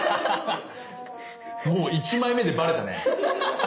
もう１枚目でバレたね。